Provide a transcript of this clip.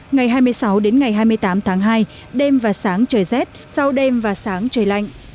ngày hai mươi sáu đến ngày hai mươi tám tháng hai đêm và sáng trời rét sau đêm và sáng trời lạnh